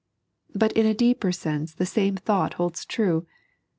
But in a deeper sense the same thought holds true.